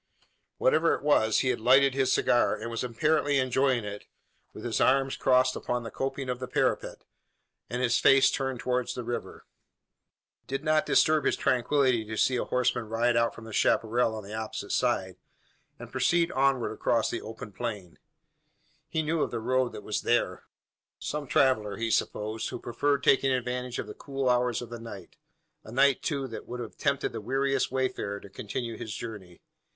Whatever it was, he had lighted his cigar, and was apparently enjoying it, with his arms crossed upon the coping of the parapet, and his face turned towards the river. It did not disturb his tranquillity to see a horseman ride out from the chapparal on the opposite side, and proceed onward across the open plain. He knew of the road that was there. Some traveller, he supposed, who preferred taking advantage of the cool hours of the night a night, too, that would have tempted the weariest wayfarer to continue his journey.